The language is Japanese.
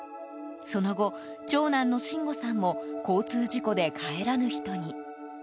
その後、長男の信吾さんも交通事故で帰らぬ人に。